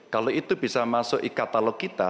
kalau itu bisa masuk di katalog kita